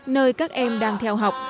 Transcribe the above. nơi các em đang theo học